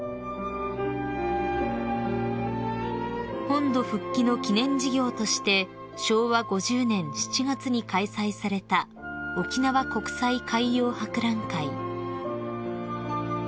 ［本土復帰の記念事業として昭和５０年７月に開催された沖縄国際海洋博覧会］